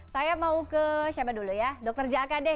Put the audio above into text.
saya mau ke siapa dulu ya dr jaka deh